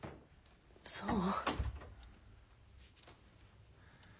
そう？